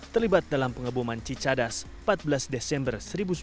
terlibat dalam pengeboman cicadas empat belas desember seribu sembilan ratus empat puluh